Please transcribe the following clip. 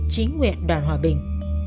chính nguyện đoàn hòa bình